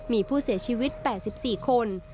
มีผู้เสียชีวิต๘๔คน